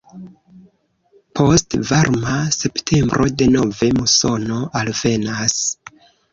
Post varma septembro denove musono alvenas.